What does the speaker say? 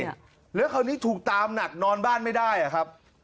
แล้วคราวนี้ถูกตามหนักนอนบ้านไม่ได้อ่ะครับ